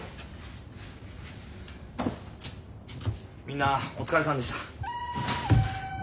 みんなお疲れさんでした。